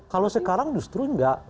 kalau sekarang justru enggak